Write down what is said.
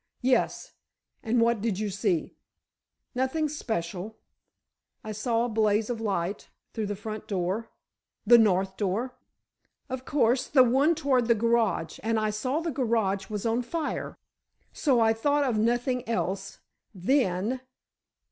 "Yes; and what did you see?" "Nothing special—I saw a blaze of light, through the front door——" "The north door?" "Of course—the one toward the garage—and I saw the garage was on fire, so I thought of nothing else—then."